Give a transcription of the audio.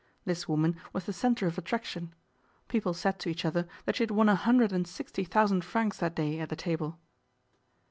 This woman was the centre of attraction. People said to each other that she had won a hundred and sixty thousand francs that day at the table.